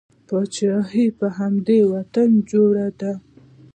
پاچاهي په همدې وطن جوړه ده.